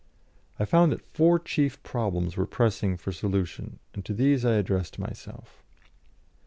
I found that four chief problems were pressing for solution, and to these I addressed myself.